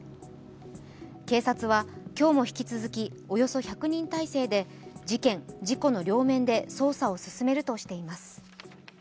警察は今日も引き続きおよそ１００人態勢で事件・事故の両面で捜査を進めるとしています。